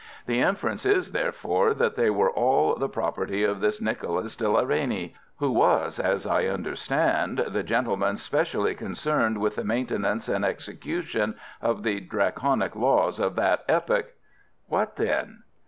The inference is, therefore, that they were all the property of this Nicholas de la Reynie, who was, as I understand, the gentleman specially concerned with the maintenance and execution of the Draconic laws of that epoch." "What then?"